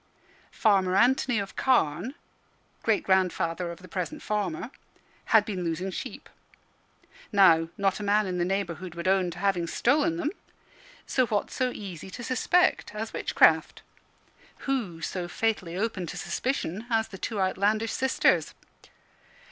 Farmer Anthony of Carne great grandfather of the present farmer had been losing sheep. Now, not a man in the neighbourhood would own to having stolen them; so what so easy to suspect as witchcraft? Who so fatally open to suspicion as the two outlandish sisters?